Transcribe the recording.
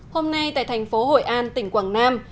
hôm nay tại thành phố hội an tỉnh quảng nam